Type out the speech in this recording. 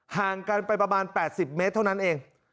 ห่างกันไปประมาณ๘๐เมตรเท่านั้นเอง